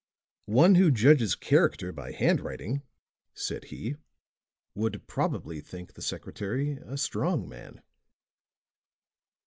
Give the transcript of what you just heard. "One who judges character by handwriting," said he, "would probably think the secretary a strong man."